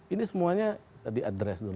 ini semuanya diadres dulu